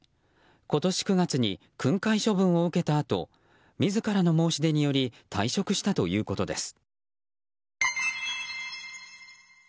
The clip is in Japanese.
今年９月に訓戒処分を受けたあと自らの申し出により退職したということです。